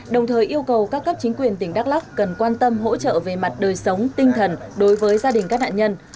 đồng thời yêu cầu các cấp chính quyền tỉnh đắk lắc cần quan tâm hỗ trợ về mặt đời sống tinh thần đối với gia đình các nạn nhân